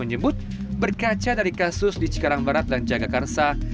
menyebut berkaca dari kasus di cikarang barat dan jagakarsa